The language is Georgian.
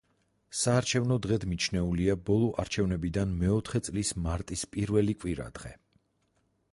საარჩევნო დღედ მიჩნეულია ბოლო არჩევნებიდან მეოთხე წლის მარტის პირველი კვირა დღე.